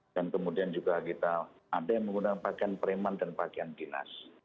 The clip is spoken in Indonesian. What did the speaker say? dan kemudian juga kita ada yang menggunakan bagian preman dan bagian dinas